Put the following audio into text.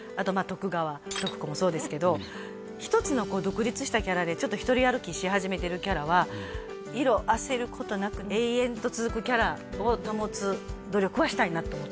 徳川徳子もそうですけど一つの独立したキャラでちょっと一人歩きし始めてるキャラは色あせることなく永遠と続くキャラを保つ努力はしたいなと思ってるんですよね